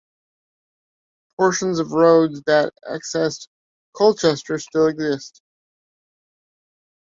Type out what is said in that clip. Portions of roads that accessed Colchester still exist.